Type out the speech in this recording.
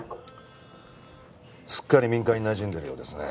すっかり民間になじんでるようですね。